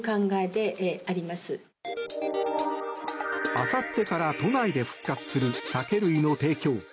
あさってから都内で復活する酒類の提供。